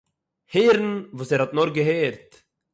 הערן וואָס ער האָט נאָר געהערט